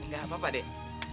gak apa apa deh